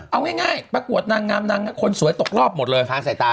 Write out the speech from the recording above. เอาง่ายประกวดนางงามนางคนสวยตกรอบหมดเลยฟางใส่ตา